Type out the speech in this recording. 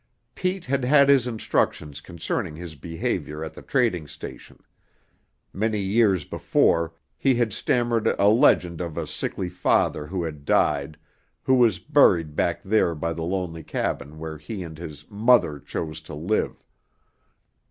Pete had had his instructions concerning his behavior at the trading station; many years before, he had stammered a legend of a sickly father who had died, who was buried back there by the lonely cabin where he and his "mother" chose to live.